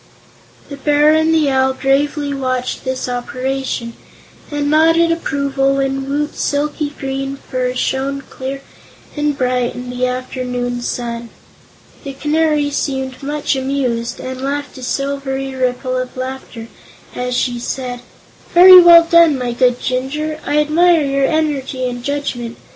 The Bear and the Owl gravely watched this operation and nodded approval when Woot's silky green fur shone clear and bright in the afternoon sun. The Canary seemed much amused and laughed a silvery ripple of laughter as she said: "Very well done, my good Jinjur; I admire your energy and judgment.